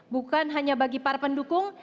bukan hanya bagi para pendukung